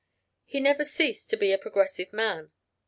He never ceased to be a progressive man.